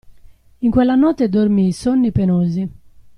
In quella notte dormii sonni penosi.